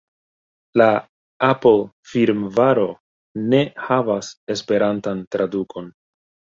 La Apple-firmvaro ne havas esperantan tradukon.